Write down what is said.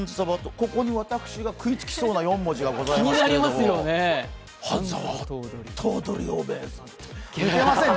ここに私が食いつきそうな４文字がありますけれども。